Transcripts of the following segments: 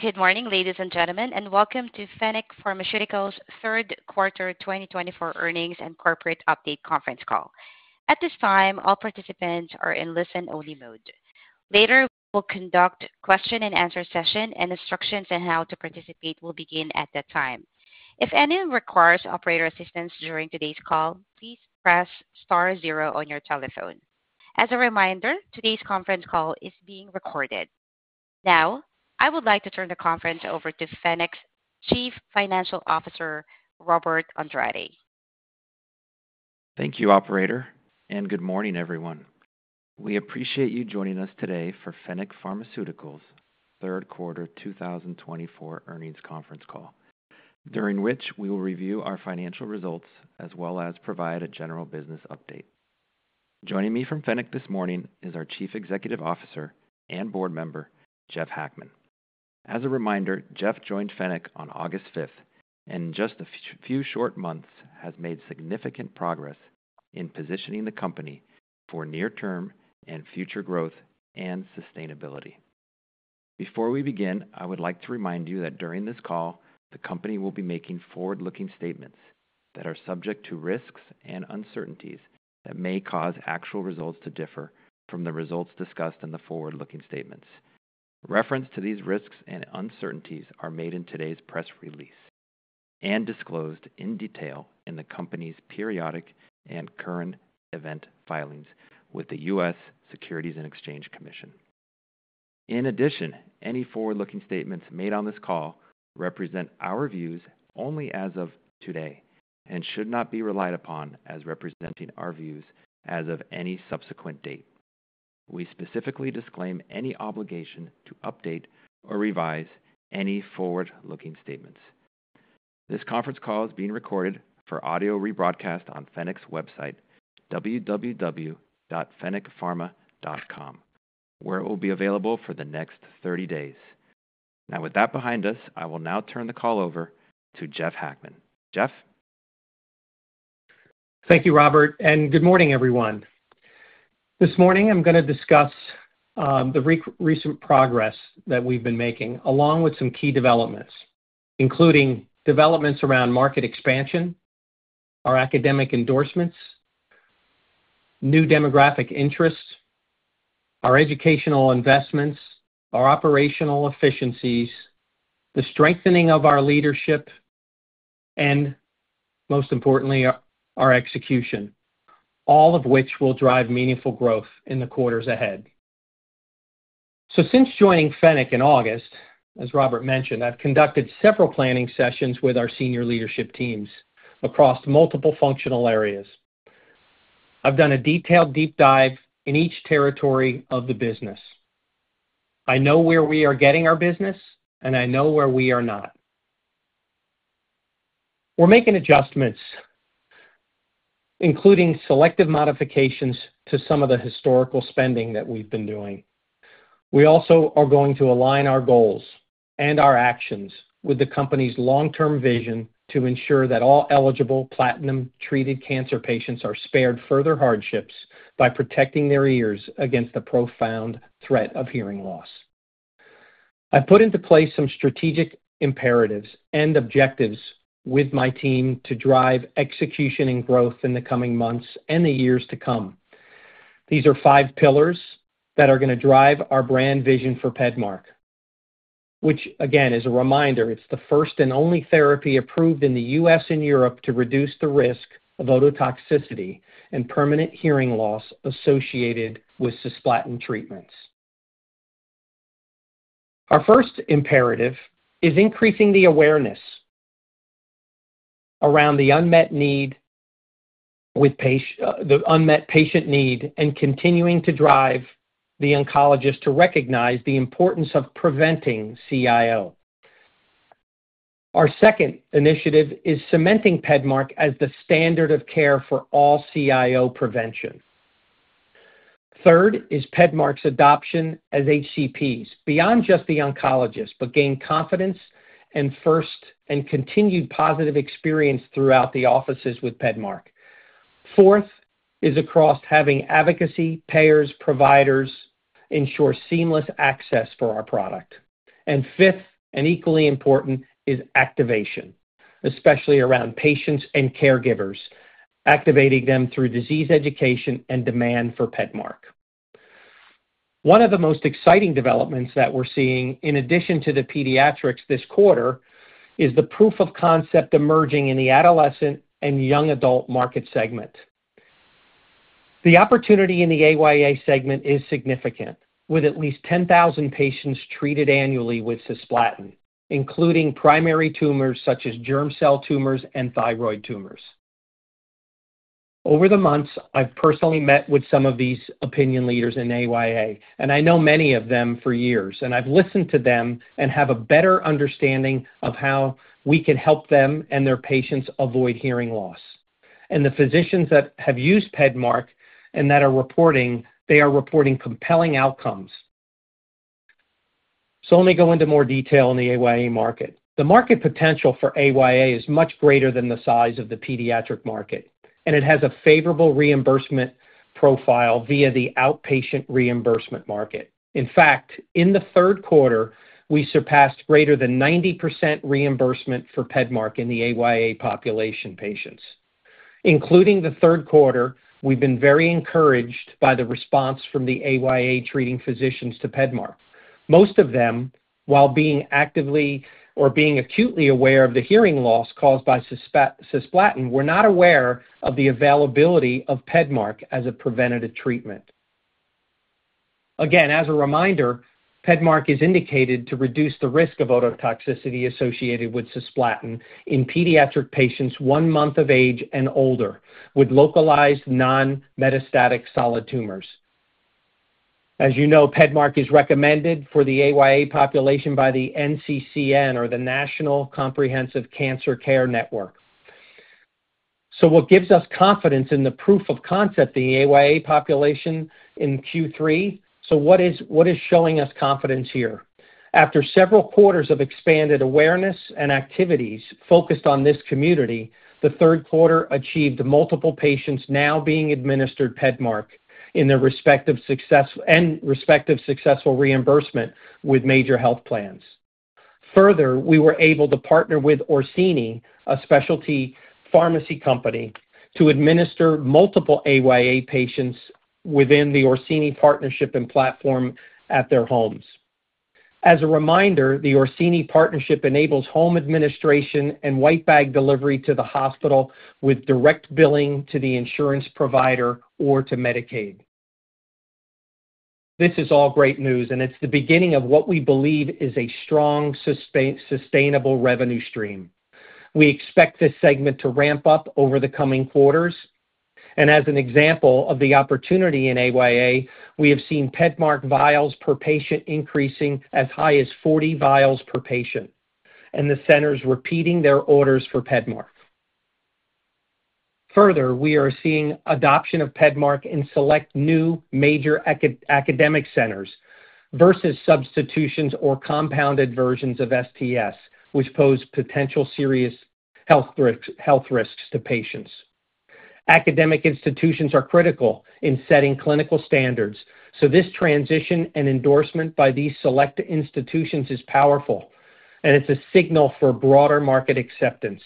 Good morning, ladies and gentlemen, and welcome to Fennec Pharmaceuticals' third quarter 2024 earnings and corporate update conference call. At this time, all participants are in listen-only mode. Later, we will conduct a question-and-answer session, and instructions on how to participate will begin at that time. If anyone requires operator assistance during today's call, please press star zero on your telephone. As a reminder, today's conference call is being recorded. Now, I would like to turn the conference over to Fennec's Chief Financial Officer, Robert Andrade. Thank you, Operator, and good morning, everyone. We appreciate you joining us today for Fennec Pharmaceuticals' third quarter 2024 earnings conference call, during which we will review our financial results as well as provide a general business update. Joining me from Fennec this morning is our Chief Executive Officer and board member, Jeff Hackman. As a reminder, Jeff joined Fennec on August 5th and, in just a few short months, has made significant progress in positioning the company for near-term and future growth and sustainability. Before we begin, I would like to remind you that during this call, the company will be making forward-looking statements that are subject to risks and uncertainties that may cause actual results to differ from the results discussed in the forward-looking statements. Reference to these risks and uncertainties are made in today's press release and disclosed in detail in the company's periodic and current filings with the U.S. Securities and Exchange Commission. In addition, any forward-looking statements made on this call represent our views only as of today and should not be relied upon as representing our views as of any subsequent date. We specifically disclaim any obligation to update or revise any forward-looking statements. This conference call is being recorded for audio rebroadcast on Fennec's website, www.fennecpharma.com, where it will be available for the next 30 days. Now, with that behind us, I will now turn the call over to Jeff Hackman. Jeff? Thank you Robert, and good morning, everyone. This morning, I'm going to discuss the recent progress that we've been making, along with some key developments, including developments around market expansion, our academic endorsements, new demographic interests, our educational investments, our operational efficiencies, the strengthening of our leadership, and, most importantly, our execution, all of which will drive meaningful growth in the quarters ahead. So, since joining Fennec in August, as Robert mentioned, I've conducted several planning sessions with our senior leadership teams across multiple functional areas. I've done a detailed deep dive in each territory of the business. I know where we are getting our business, and I know where we are not. We're making adjustments, including selective modifications to some of the historical spending that we've been doing. We also are going to align our goals and our actions with the company's long-term vision to ensure that all eligible platinum-treated cancer patients are spared further hardships by protecting their ears against the profound threat of hearing loss. I've put into place some strategic imperatives and objectives with my team to drive execution and growth in the coming months and the years to come. These are five pillars that are going to drive our brand vision for PEDMARK, which, again, is a reminder, it's the first and only therapy approved in the U.S. and Europe to reduce the risk of ototoxicity and permanent hearing loss associated with cisplatin treatments. Our first imperative is increasing the awareness around the unmet patient need and continuing to drive the oncologist to recognize the importance of preventing CIO. Our second initiative is cementing PEDMARK as the standard of care for all CIO prevention. Third is PEDMARK's adoption among HCPs, beyond just the oncologist, but gaining confidence and continued positive experience throughout the offices with PEDMARK. Fourth is having advocacy across payers and providers to ensure seamless access for our product. Fifth, and equally important, is activation, especially around patients and caregivers, activating them through disease education and demand for PEDMARK. One of the most exciting developments that we're seeing, in addition to the pediatrics this quarter, is the proof of concept emerging in the adolescent and young adult market segment. The opportunity in the AYA segment is significant, with at least 10,000 patients treated annually with cisplatin, including primary tumors such as germ cell tumors and thyroid tumors. Over the months, I've personally met with some of these opinion leaders in AYA, and I know many of them for years, and I've listened to them and have a better understanding of how we can help them and their patients avoid hearing loss. And the physicians that have used PEDMARK and that are reporting, they are reporting compelling outcomes. So let me go into more detail on the AYA market. The market potential for AYA is much greater than the size of the pediatric market, and it has a favorable reimbursement profile via the outpatient reimbursement market. In fact, in the third quarter, we surpassed greater than 90% reimbursement for PEDMARK in the AYA population patients. Including the third quarter, we've been very encouraged by the response from the AYA treating physicians to PEDMARK. Most of them, while being actively or acutely aware of the hearing loss caused by cisplatin, were not aware of the availability of PEDMARK as a preventative treatment. Again, as a reminder, PEDMARK is indicated to reduce the risk of ototoxicity associated with cisplatin in pediatric patients one month of age and older with localized non-metastatic solid tumors. As you know, PEDMARK is recommended for the AYA population by the NCCN, or the National Comprehensive Cancer Network. So what gives us confidence in the proof of concept in the AYA population in Q3? So what is showing us confidence here? After several quarters of expanded awareness and activities focused on this community, the third quarter achieved multiple patients now being administered PEDMARK and respective successful reimbursement with major health plans. Further, we were able to partner with Orsini, a specialty pharmacy company, to administer multiple AYA patients within the Orsini partnership and platform at their homes. As a reminder, the Orsini Partnership enables home administration and white bag delivery to the hospital with direct billing to the insurance provider or to Medicaid. This is all great news, and it's the beginning of what we believe is a strong, sustainable revenue stream. We expect this segment to ramp up over the coming quarters, and as an example of the opportunity in AYA, we have seen PEDMARK vials per patient increasing as high as 40 vials per patient, and the centers repeating their orders for PEDMARK. Further, we are seeing adoption of PEDMARK in select new major academic centers versus substitutions or compounded versions of STS, which pose potential serious health risks to patients. Academic institutions are critical in setting clinical standards, so this transition and endorsement by these select institutions is powerful, and it's a signal for broader market acceptance.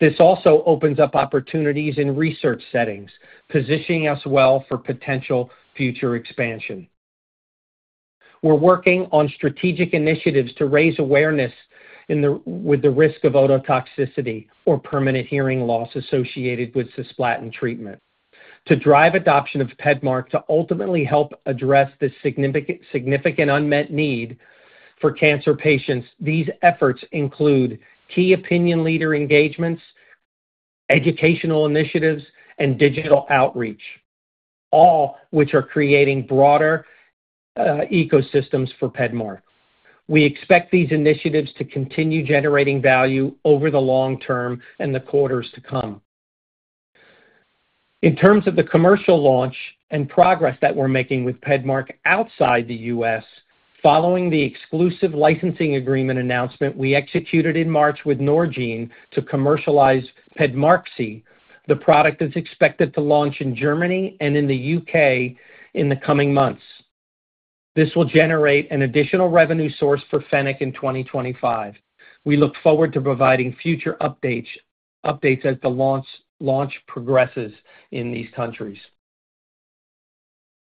This also opens up opportunities in research settings, positioning us well for potential future expansion. We're working on strategic initiatives to raise awareness with the risk of ototoxicity or permanent hearing loss associated with cisplatin treatment to drive adoption of PEDMARK to ultimately help address this significant unmet need for cancer patients. These efforts include key opinion leader engagements, educational initiatives, and digital outreach, all which are creating broader ecosystems for PEDMARK. We expect these initiatives to continue generating value over the long term and the quarters to come. In terms of the commercial launch and progress that we're making with PEDMARK outside the U.S., following the exclusive licensing agreement announcement we executed in March with Norgine to commercialize PEDMARQSI, the product is expected to launch in Germany and in the U.K. in the coming months. This will generate an additional revenue source for Fennec in 2025. We look forward to providing future updates as the launch progresses in these countries.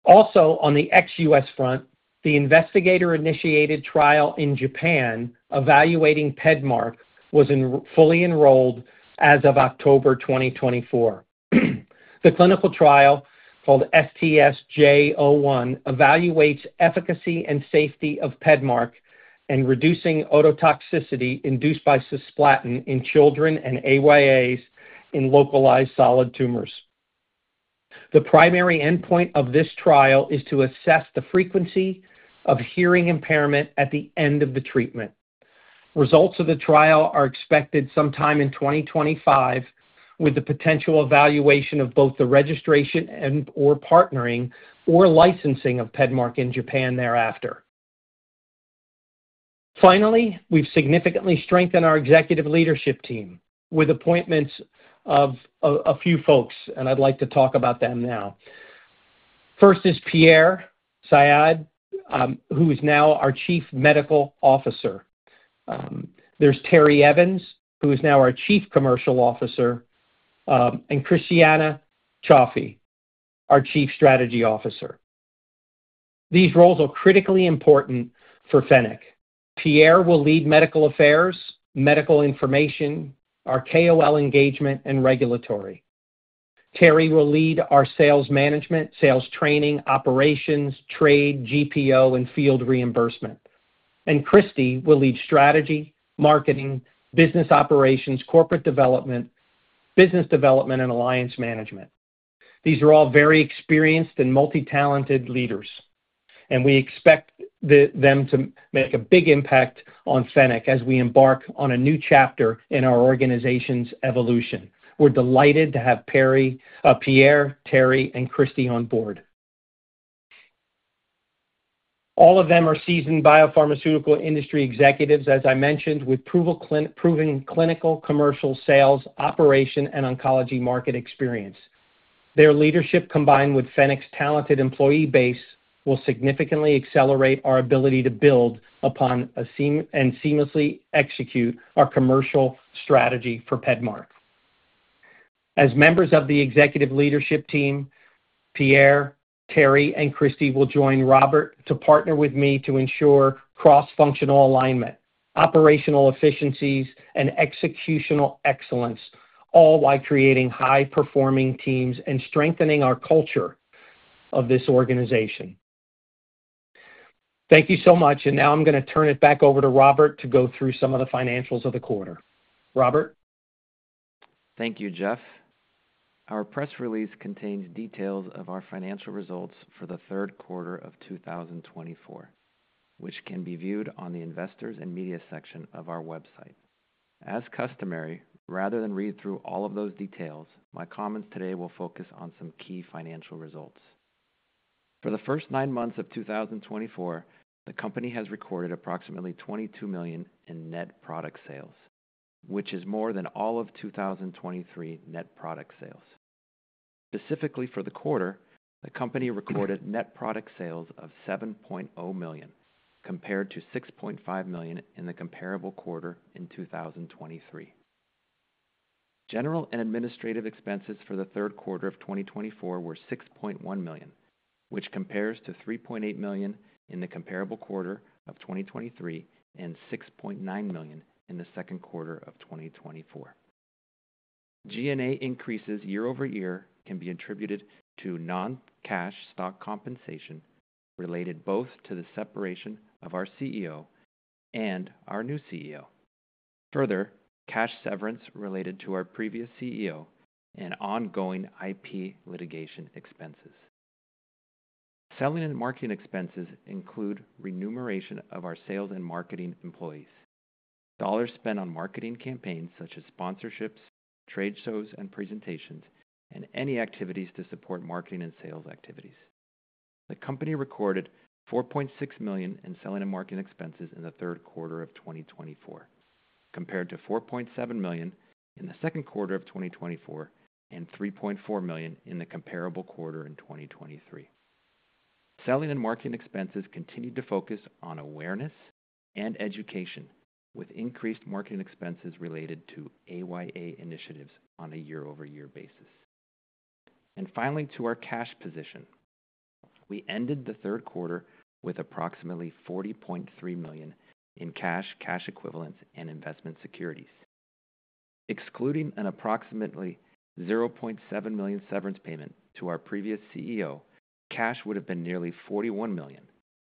Also, on the ex-U.S. front, the investigator-initiated trial in Japan evaluating PEDMARK was fully enrolled as of October 2024. The clinical trial called STS-J01 evaluates efficacy and safety of PEDMARK in reducing ototoxicity induced by cisplatin in children and AYAs in localized solid tumors. The primary endpoint of this trial is to assess the frequency of hearing impairment at the end of the treatment. Results of the trial are expected sometime in 2025, with the potential evaluation of both the registration and/or partnering or licensing of PEDMARK in Japan thereafter. Finally, we've significantly strengthened our executive leadership team with appointments of a few folks, and I'd like to talk about them now. First is Pierre Sayad, who is now our Chief Medical Officer. There's Terry Evans, who is now our Chief Commercial Officer, and Christianna Chafe, our Chief Strategy Officer. These roles are critically important for Fennec. Pierre will lead medical affairs, medical information, our KOL engagement, and regulatory. Terry will lead our sales management, sales training, operations, trade, GPO, and field reimbursement. And Christy will lead strategy, marketing, business operations, corporate development, business development, and alliance management. These are all very experienced and multi-talented leaders, and we expect them to make a big impact on Fennec as we embark on a new chapter in our organization's evolution. We're delighted to have Pierre, Terry, and Christy on board. All of them are seasoned biopharmaceutical industry executives, as I mentioned, with proven clinical, commercial, sales, operational, and oncology market experience. Their leadership, combined with Fennec's talented employee base, will significantly accelerate our ability to build upon and seamlessly execute our commercial strategy for PEDMARK. As members of the executive leadership team, Pierre, Terry, and Christy will join Robert to partner with me to ensure cross-functional alignment, operational efficiencies, and executional excellence, all while creating high-performing teams and strengthening our culture of this organization. Thank you so much, and now I'm going to turn it back over to Robert to go through some of the financials of the quarter. Robert? Thank you, Jeff. Our press release contains details of our financial results for the third quarter of 2024, which can be viewed on the investors' and media section of our website. As customary, rather than read through all of those details, my comments today will focus on some key financial results. For the first nine months of 2024, the company has recorded approximately $22 million in net product sales, which is more than all of 2023 net product sales. Specifically for the quarter, the company recorded net product sales of $7.0 million, compared to $6.5 million in the comparable quarter in 2023. General and administrative expenses for the third quarter of 2024 were $6.1 million, which compares to $3.8 million in the comparable quarter of 2023 and $6.9 million in the second quarter of 2024. G&A increases, year over year, can be attributed to non-cash stock compensation related both to the separation of our CEO and our new CEO. Further, cash severance related to our previous CEO and ongoing IP litigation expenses. Selling and marketing expenses include remuneration of our sales and marketing employees, dollars spent on marketing campaigns such as sponsorships, trade shows, and presentations, and any activities to support marketing and sales activities. The company recorded $4.6 million in selling and marketing expenses in the third quarter of 2024, compared to $4.7 million in the second quarter of 2024 and $3.4 million in the comparable quarter in 2023. Selling and marketing expenses continued to focus on awareness and education, with increased marketing expenses related to AYA initiatives on a year-over-year basis. Finally, to our cash position. We ended the third quarter with approximately $40.3 million in cash, cash equivalents, and investment securities. Excluding an approximately $0.7 million severance payment to our previous CEO, cash would have been nearly $41 million,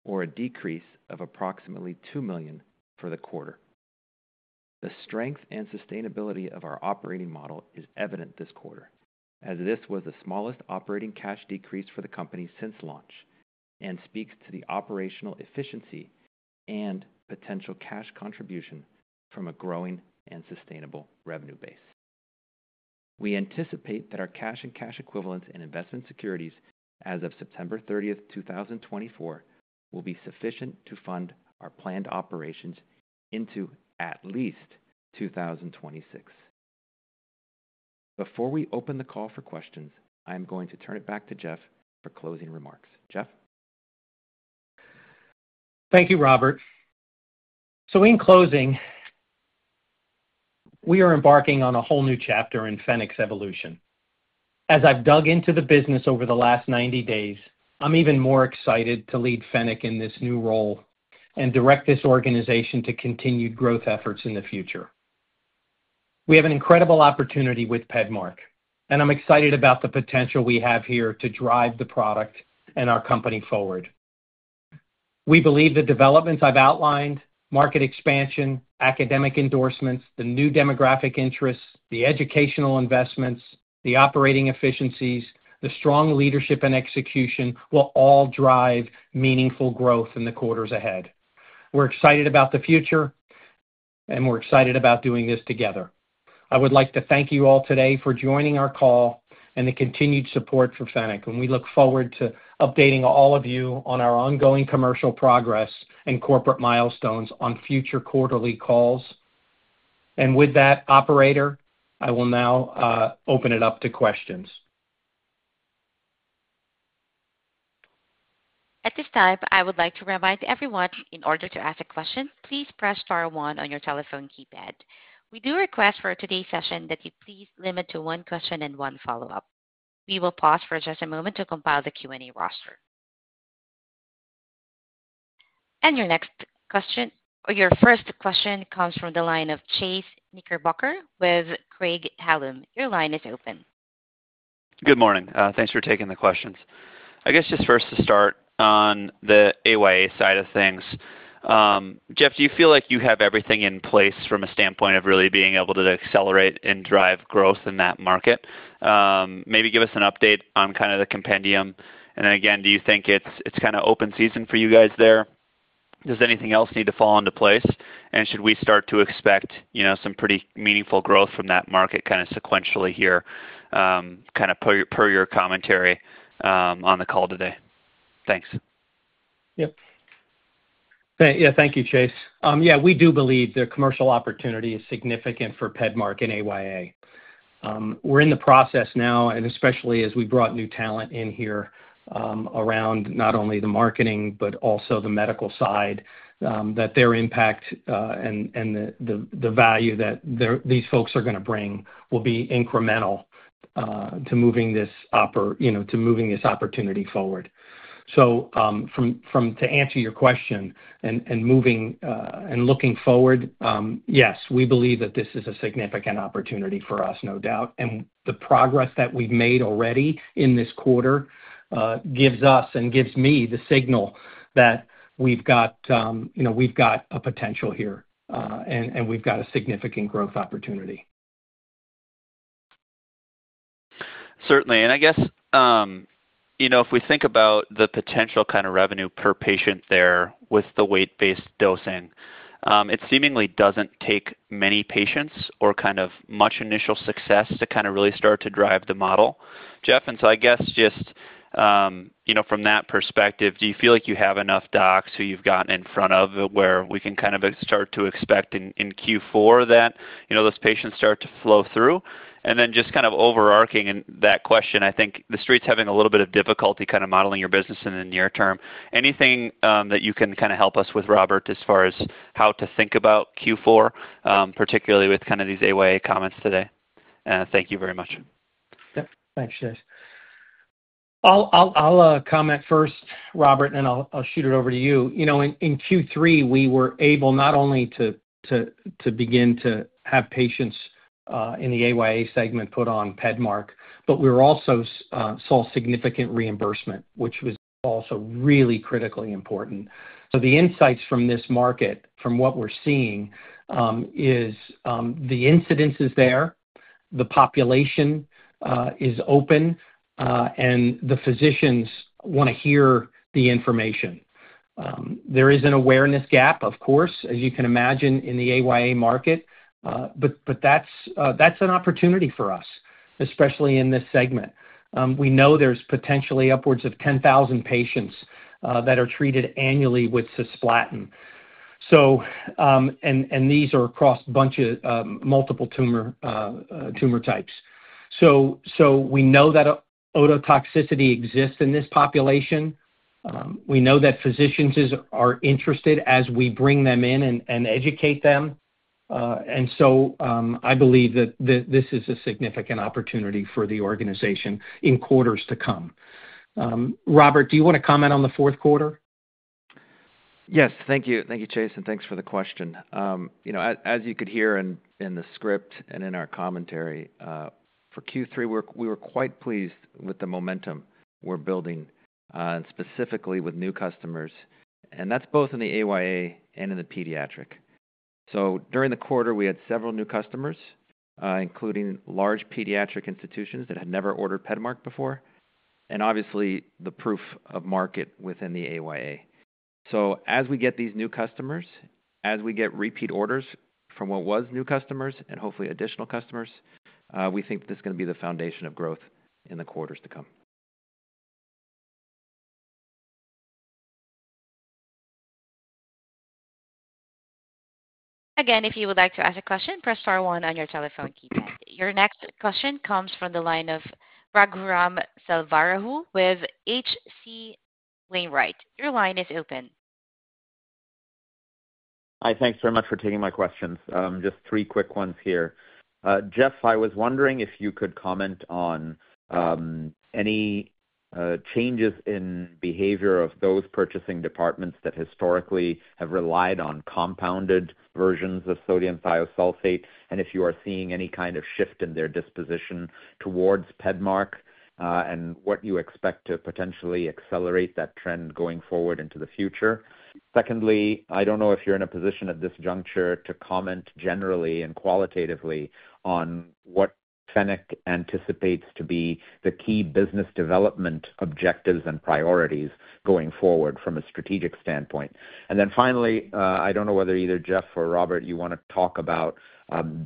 or a decrease of approximately $2 million for the quarter. The strength and sustainability of our operating model is evident this quarter, as this was the smallest operating cash decrease for the company since launch and speaks to the operational efficiency and potential cash contribution from a growing and sustainable revenue base. We anticipate that our cash and cash equivalents and investment securities, as of September 30th, 2024, will be sufficient to fund our planned operations into at least 2026. Before we open the call for questions, I am going to turn it back to Jeff for closing remarks. Jeff? Thank you, Robert. So in closing, we are embarking on a whole new chapter in Fennec's evolution. As I've dug into the business over the last 90 days, I'm even more excited to lead Fennec in this new role and direct this organization to continued growth efforts in the future. We have an incredible opportunity with PEDMARK, and I'm excited about the potential we have here to drive the product and our company forward. We believe the developments I've outlined (market expansion, academic endorsements, the new demographic interests, the educational investments, the operating efficiencies, the strong leadership and execution) will all drive meaningful growth in the quarters ahead. We're excited about the future, and we're excited about doing this together. I would like to thank you all today for joining our call and the continued support for Fennec, and we look forward to updating all of you on our ongoing commercial progress and corporate milestones on future quarterly calls. And with that, operator, I will now open it up to questions. At this time, I would like to remind everyone. In order to ask a question, please press star one on your telephone keypad. We do request for today's session that you please limit to one question and one follow-up. We will pause for just a moment to compile the Q&A roster. And your next question or your first question comes from the line of Chase Knickerbocker with Craig-Hallum. Your line is open. Good morning. Thanks for taking the questions. I guess just first to start on the AYA side of things, Jeff, do you feel like you have everything in place from a standpoint of really being able to accelerate and drive growth in that market? Maybe give us an update on kind of the compendium. And then again, do you think it's kind of open season for you guys there? Does anything else need to fall into place? And should we start to expect some pretty meaningful growth from that market kind of sequentially here, kind of per your commentary on the call today? Thanks. Yep. Yeah, thank you, Chase. Yeah, we do believe the commercial opportunity is significant for PEDMARK and AYA. We're in the process now, and especially as we brought new talent in here around not only the marketing but also the medical side, that their impact and the value that these folks are going to bring will be incremental to moving this opportunity forward. So to answer your question and moving and looking forward, yes, we believe that this is a significant opportunity for us, no doubt, and the progress that we've made already in this quarter gives us and gives me the signal that we've got a potential here and we've got a significant growth opportunity. Certainly. And I guess if we think about the potential kind of revenue per patient there with the weight-based dosing, it seemingly doesn't take many patients or kind of much initial success to kind of really start to drive the model. Jeff, and so I guess just from that perspective, do you feel like you have enough docs who you've gotten in front of where we can kind of start to expect in Q4 that those patients start to flow through? And then just kind of overarching that question, I think the street's having a little bit of difficulty kind of modeling your business in the near term. Anything that you can kind of help us with, Robert, as far as how to think about Q4, particularly with kind of these AYA comments today? And thank you very much. Yep. Thanks, Chase. I'll comment first, Robert, and then I'll shoot it over to you. In Q3, we were able not only to begin to have patients in the AYA segment put on PEDMARK, but we also saw significant reimbursement, which was also really critically important. So the insights from this market, from what we're seeing, is the incidence is there, the population is open, and the physicians want to hear the information. There is an awareness gap, of course, as you can imagine, in the AYA market, but that's an opportunity for us, especially in this segment. We know there's potentially upwards of 10,000 patients that are treated annually with cisplatin. And these are across multiple tumor types. So we know that ototoxicity exists in this population. We know that physicians are interested as we bring them in and educate them. And so I believe that this is a significant opportunity for the organization in quarters to come. Robert, do you want to comment on the fourth quarter? Yes. Thank you. Thank you, Chase, and thanks for the question. As you could hear in the script and in our commentary, for Q3, we were quite pleased with the momentum we're building and specifically with new customers, and that's both in the AYA and in the pediatric. So during the quarter, we had several new customers, including large pediatric institutions that had never ordered PEDMARK before, and obviously the proof of market within the AYA. So as we get these new customers, as we get repeat orders from what was new customers and hopefully additional customers, we think that this is going to be the foundation of growth in the quarters to come. Again, if you would like to ask a question, press star one on your telephone keypad. Your next question comes from the line of Raghuram Selvaraju with H.C. Wainwright. Your line is open. Hi. Thanks very much for taking my questions. Just three quick ones here. Jeff, I was wondering if you could comment on any changes in behavior of those purchasing departments that historically have relied on compounded versions of sodium thiosulfate, and if you are seeing any kind of shift in their disposition towards PEDMARK and what you expect to potentially accelerate that trend going forward into the future. Secondly, I don't know if you're in a position at this juncture to comment generally and qualitatively on what Fennec anticipates to be the key business development objectives and priorities going forward from a strategic standpoint. And then finally, I don't know whether either Jeff or Robert, you want to talk about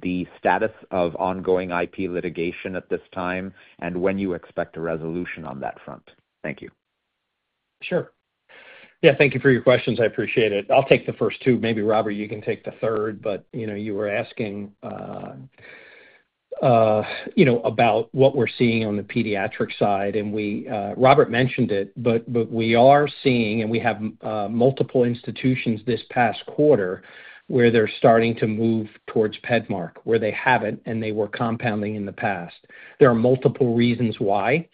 the status of ongoing IP litigation at this time and when you expect a resolution on that front. Thank you. Sure. Yeah. Thank you for your questions. I appreciate it. I'll take the first two. Maybe Robert, you can take the third, but you were asking about what we're seeing on the pediatric side, and Robert mentioned it, but we are seeing and we have multiple institutions this past quarter where they're starting to move towards PEDMARK, where they haven't and they were compounding in the past. There are multiple reasons why.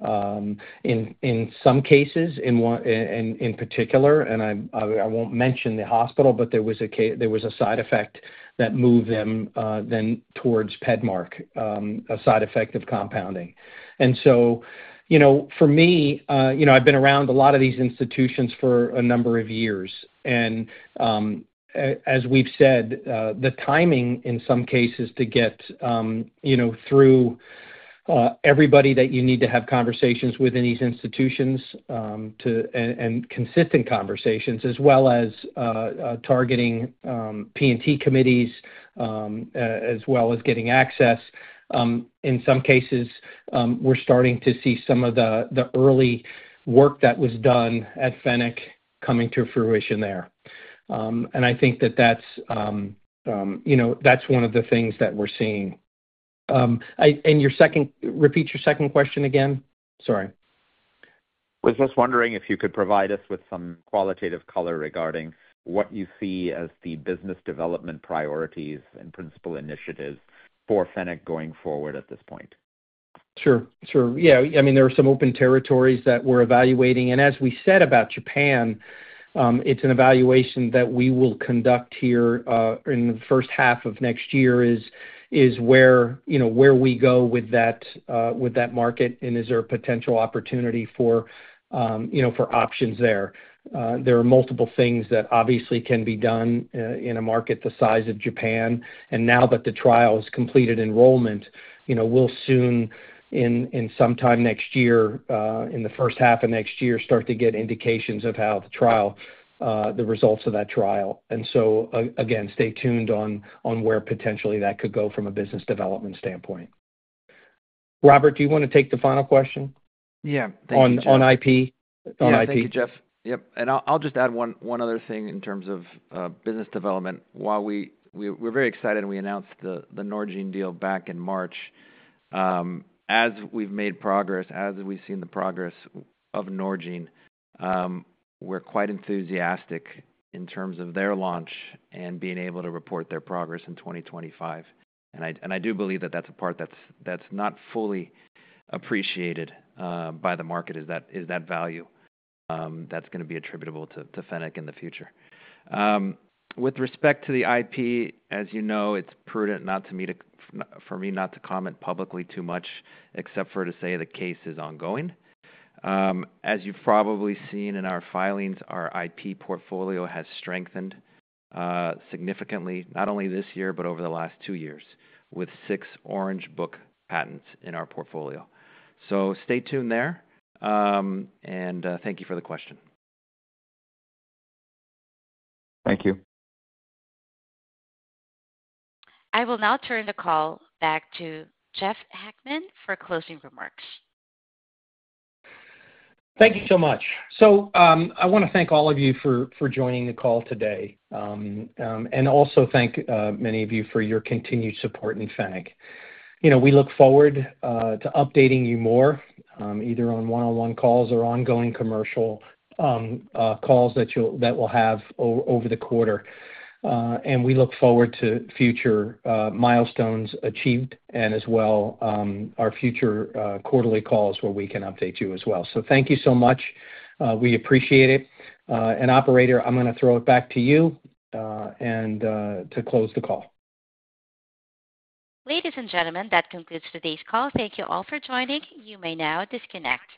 In some cases, in particular, and I won't mention the hospital, but there was a side effect that moved them then towards PEDMARK, a side effect of compounding. And so for me, I've been around a lot of these institutions for a number of years. And as we've said, the timing in some cases to get through everybody that you need to have conversations with in these institutions and consistent conversations, as well as targeting P&T committees, as well as getting access. In some cases, we're starting to see some of the early work that was done at Fennec coming to fruition there. And I think that that's one of the things that we're seeing. And repeat your second question again? Sorry. Was just wondering if you could provide us with some qualitative color regarding what you see as the business development priorities and principal initiatives for Fennec going forward at this point? Sure. Sure. Yeah. I mean, there are some open territories that we're evaluating. And as we said about Japan, it's an evaluation that we will conduct here in the first half of next year is where we go with that market and is there a potential opportunity for options there. There are multiple things that obviously can be done in a market the size of Japan. And now that the trial has completed enrollment, we'll soon in sometime next year, in the first half of next year, start to get indications of how the results of that trial. And so again, stay tuned on where potentially that could go from a business development standpoint. Robert, do you want to take the final question? Yeah. Thank you, Jeff. On IP. Thank you, Jeff. Yep. And I'll just add one other thing in terms of business development. While we're very excited and we announced the Norgine deal back in March, as we've made progress, as we've seen the progress of Norgine, we're quite enthusiastic in terms of their launch and being able to report their progress in 2025. And I do believe that that's a part that's not fully appreciated by the market is that value that's going to be attributable to Fennec in the future. With respect to the IP, as you know, it's prudent for me not to comment publicly too much except for to say the case is ongoing. As you've probably seen in our filings, our IP portfolio has strengthened significantly, not only this year but over the last two years, with six Orange Book patents in our portfolio. So stay tuned there. Thank you for the question. Thank you. I will now turn the call back to Jeff Hackman for closing remarks. Thank you so much. So I want to thank all of you for joining the call today and also thank many of you for your continued support in Fennec. We look forward to updating you more either on one-on-one calls or ongoing commercial calls that we'll have over the quarter. And we look forward to future milestones achieved and as well our future quarterly calls where we can update you as well. So thank you so much. We appreciate it. And operator, I'm going to throw it back to you to close the call. Ladies and gentlemen, that concludes today's call. Thank you all for joining. You may now disconnect.